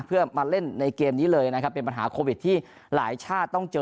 เพื่อมาเล่นในเกมนี้เลยนะครับเป็นปัญหาโควิดที่หลายชาติต้องเจอ